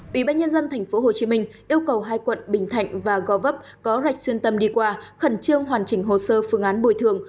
ủy ban nhân dân tp hcm yêu cầu hai quận bình thạnh và gò vấp có rạch xuyên tâm đi qua khẩn trương hoàn chỉnh hồ sơ phương án bồi thường